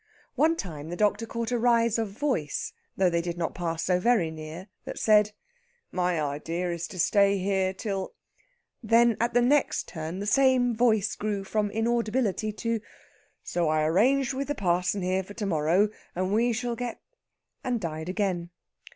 One time the doctor caught a rise of voice though they did not pass so very near that said: "My idea is to stay here till...." Then at the next turn the same voice grew from inaudibility to ... "So I arranged with the parson here for to morrow, and we shall get...." and died again.